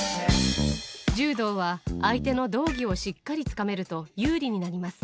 柔道は相手の道着をしっかりつかめると、有利になります。